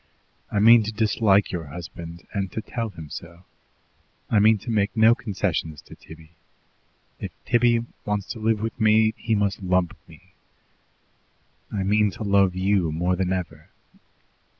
I mean to dislike your husband, and to tell him so. I mean to make no concessions to Tibby. If Tibby wants to live with me, he must lump me. I mean to love YOU more than ever.